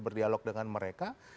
berdialog dengan mereka